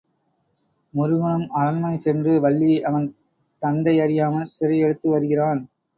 முருகனும் அரண்மனை சென்று வள்ளியை அவன் தந்தை அறியாமல் சிறை எடுத்து வருகிறான்.